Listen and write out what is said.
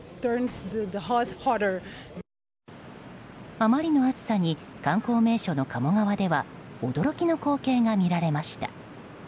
あまりの暑さに観光名所の鴨川では驚きの光景が見られました。